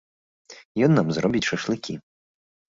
Ён нам зробіць шашлыкі.